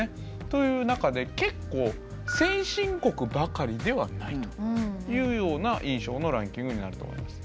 という中で結構先進国ばかりではないというような印象のランキングになると思います。